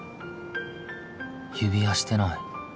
指輪してない